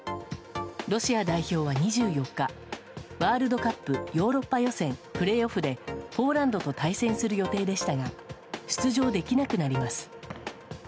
ロシア代表は２４日ワールドカップヨーロッパ予選プレーオフでポーランドと対戦する予定でしたが出場できなくなります。